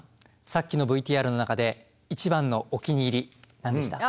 さっきのＶＴＲの中で一番のお気に入り何でした？